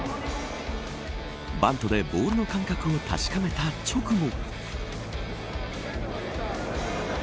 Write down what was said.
バントでボールの感覚を確かめた直後。